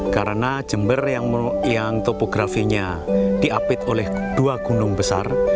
karena jember yang topografinya diapit oleh dua gunung besar